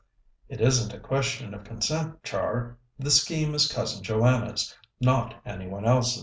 "It isn't a question of consent, Char. The scheme is Cousin Joanna's, not any one else's."